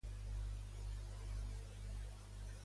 Què es presagia sobre la coalició?